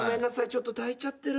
ちょっとたいちゃってる。